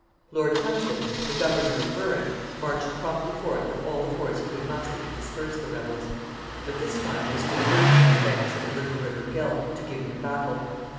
Lord Hunsdon, the governor of Berwick, marched promptly forth with all the force he could muster to disperse the rebels; but this time they stood firmly on the banks of the little river Gelt, to give him battle.